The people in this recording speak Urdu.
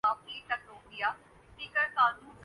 دونوں ہاتھوں میں تھام لیا۔